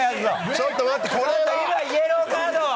ちょっと待って今イエローカード！